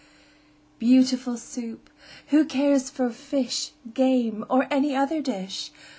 Beautiful Soup! Who cares for fish, Game, or any other dish?